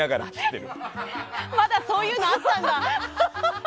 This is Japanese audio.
まだそういうのあったんだ。